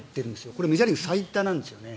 これはメジャーリーグ最多なんですよね